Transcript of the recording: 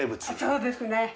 そうですね。